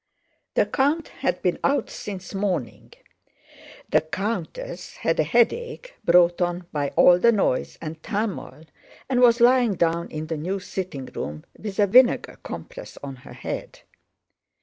The count had been out since morning. The countess had a headache brought on by all the noise and turmoil and was lying down in the new sitting room with a vinegar compress on her head.